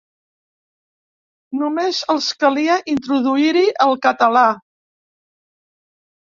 Només els calia introduir-hi el català.